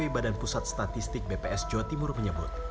badan pusat statistik bps jawa timur menyebut